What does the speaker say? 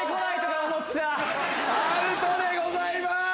アウトでございます。